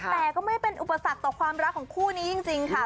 แต่ก็ไม่เป็นอุปสรรคต่อความรักของคู่นี้จริงค่ะ